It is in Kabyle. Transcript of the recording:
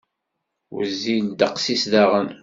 Wezzil ddeqs-is daɣen.